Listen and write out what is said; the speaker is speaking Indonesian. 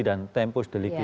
dan tempus delicti